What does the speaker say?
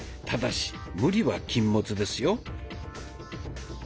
ただし無理は禁物ですよ。